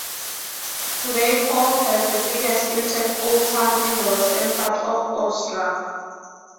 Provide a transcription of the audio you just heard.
Today Hall has the biggest intact old town in the western part of Austria.